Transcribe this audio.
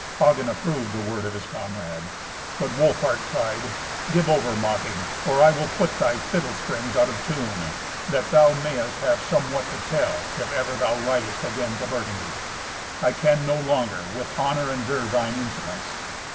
Hagen approved the word of his comrade. But Wolfhart cried, "Give over mocking, or I will put thy fiddle strings out of tune, that thou mayest have somewhat to tell, if ever thou ridest again to Burgundy. I can no longer, with honour, endure thine insolence."